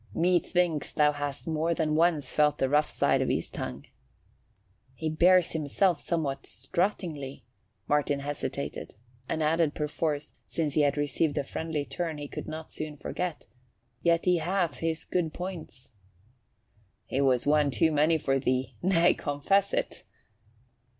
Methinks thou hast more than once felt the rough side of his tongue." "He bears himself somewhat struttingly " Martin hesitated, but added perforce, since he had received a friendly turn he could not soon forget, "yet he hath his good points." "He was one too many for thee! Nay, confess it!"